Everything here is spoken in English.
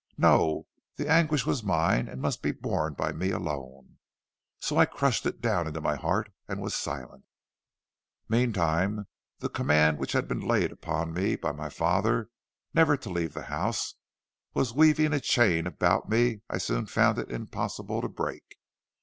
No; the anguish was mine, and must be borne by me alone. So I crushed it down into my heart and was silent. "Meantime the command which had been laid upon me by my father, never to leave the house, was weaving a chain about me I soon found it impossible to break.